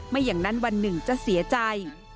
ไม่อย่างนั้นวันหนึ่งจะเสียใจ